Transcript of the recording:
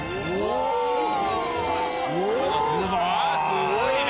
すごいね！